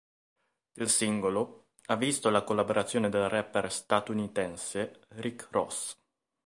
Il singolo ha visto la collaborazione del rapper statunitense Rick Ross.